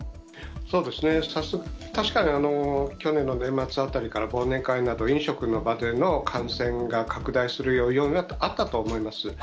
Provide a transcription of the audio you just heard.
そうですね、早速、確かに去年の年末あたりから、忘年会など、飲食の場での感染が拡大する要因はあったと思います。